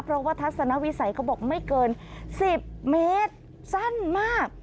เพราะว่าทัศนวิสัยเขาบอกไม่เกิน๑๐เมตรสั้นมาก